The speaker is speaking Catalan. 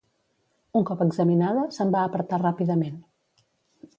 Un cop examinada, se'n va apartar ràpidament.